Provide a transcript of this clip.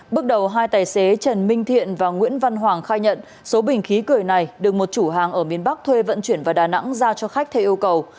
bước đầu hai tài xế trần minh thiện và nguyễn văn hoàng khai nhận số bình khí cười này được một chủ hàng ở miền bắc thuê vận chuyển vào đà nẵng giao cho khách theo yêu cầu